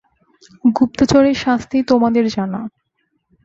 গুপ্তচরের শাস্তি তোমাদের জানা।